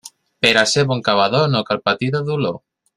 Per a ser bon cavador, no cal patir de dolor.